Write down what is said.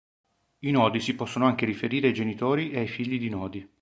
I nodi si possono anche riferire ai genitori e ai figli di nodi.